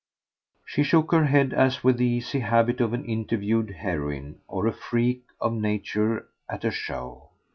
She shook her head as with the easy habit of an interviewed heroine or a freak of nature at a show.